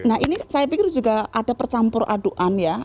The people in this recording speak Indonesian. nah ini saya pikir juga ada percampur aduan ya